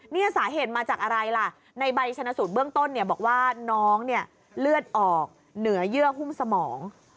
นี่สาเหตุมาจากอะไรล่ะในใบชนะสูตรเบื้องต้นเนี่ยบอกว่าน้องเนี่ยเลือดออกเหนือเยื่อหุ้มสมอง